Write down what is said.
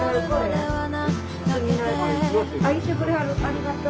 ありがとう。